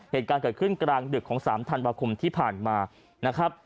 เหตุการณ์เกิดขึ้นกลางดึกของ๓ธันวาคมที่ผ่านมานะครับ